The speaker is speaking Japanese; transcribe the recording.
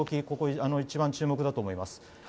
ここ一番注目だと思います。